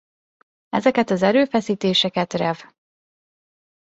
Ezeket az erőfeszítéseket Rev.